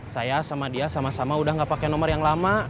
saya sama dia sama sama udah gak pakai nomor yang lama